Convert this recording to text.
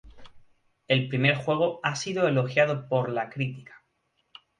El primer juego ha sido elogiado por la crítica.